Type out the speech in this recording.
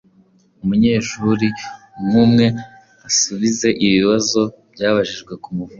Umunyeshuri umwumwe asubize ibibazo byabajijwe ku muvugo.